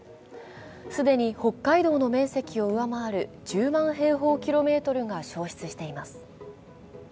既に北海道の面積を上回る１０万平方キロメートルが焼失しています。